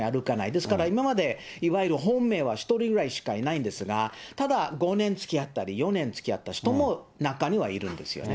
ですから、今までいわゆる本命は１人ぐらいしかいないんですが、ただ５年つきあったり４年つきあった人も中にはいるんですよね。